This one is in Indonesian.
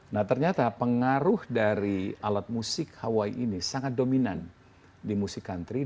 nah ternyata pengaruh dari alat musik hawaii ini sangat dominan di musik country